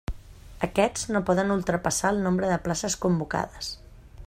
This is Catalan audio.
Aquests no poden ultrapassar el nombre de places convocades.